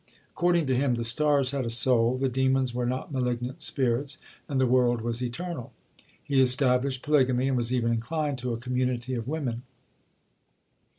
According to him, the stars had a soul; the demons were not malignant spirits; and the world was eternal. He established polygamy, and was even inclined to a community of women.